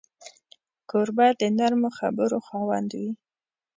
کوربه د نرمو خبرو خاوند وي.